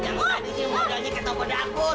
jangan lagi si mudanya ketopo dapur